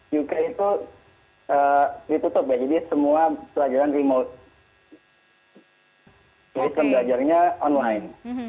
jadi pelajarnya online